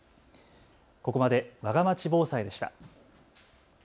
ここまでわがまち防災でした。